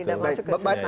tidak masuk ke substansi